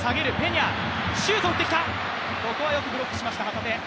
ここはよくブロックしました、旗手。